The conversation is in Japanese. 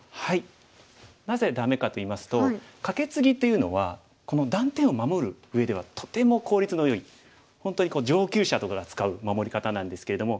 なぜダメかといいますとカケツギというのはこの断点を守るうえではとても効率のよい本当に上級者とかが使う守り方なんですけれども。